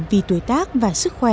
vì tuổi tác và sức khỏe